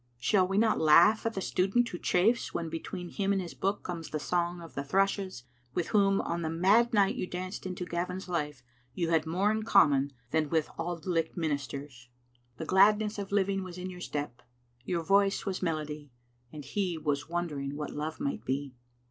Shall we not laugh at the student who chafes when between him and his book comes the song of the thrushes, with whom, on the mad night you danced into Gavin's life, you had more in common than with Auld Licht ministers? The gladness of living was in your step, your voice was melody, and he was wondering what love might be.